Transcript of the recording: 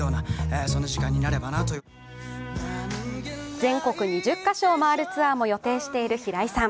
全国２０カ所を回るツアーも予定している平井さん。